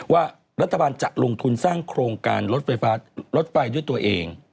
ว่ารัฐบาลจะลงทุนสร้างโครงการรถไฟฟ้ารถไฟด้วยตัวเอง